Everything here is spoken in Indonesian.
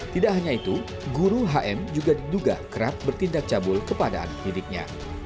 tidak hanya itu guru hm juga diduga kerap bertindak cabul ke padaan hidiknya